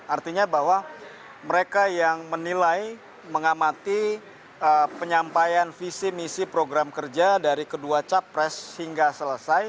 artinya bahwa mereka yang menilai mengamati penyampaian visi misi program kerja dari kedua capres hingga selesai